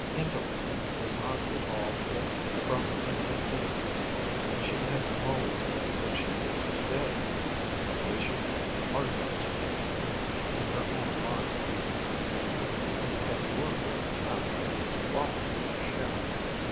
Indolence has not evolved her from an Anthidium. She has always been what she is to day: a patient artificer in her own line, a steady worker at the task that has fallen to her share.